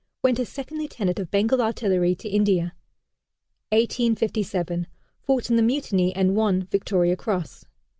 Went as second lieutenant of Bengal Artillery to India. 1857. Fought in the Mutiny, and won Victoria Cross.